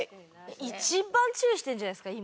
一番注意してるんじゃないですか？